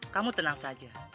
kamu tenang saja